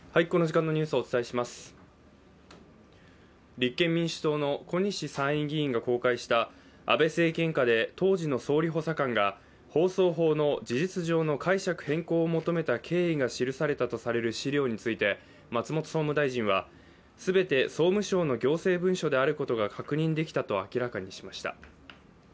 立憲民主党の小西参院議員が公開した安倍政権下で当時の総理補佐官が放送法の事実上の解釈変更を求めた経緯が記されたとされる資料について松本総務大臣は、全て総務省の行政文書であることが確認できたと明らかにしました。